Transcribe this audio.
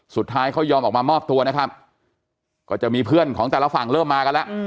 สุดท้ายเขายอมออกมามอบตัวนะครับก็จะมีเพื่อนของแต่ละฝั่งเริ่มมากันแล้ว